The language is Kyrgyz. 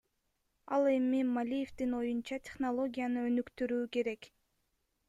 Ал эми Малиевдин оюнча, технологияны өнүктүрүү керек.